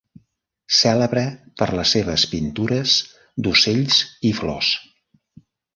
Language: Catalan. Cèlebre per les seves pintures d'ocells i flors.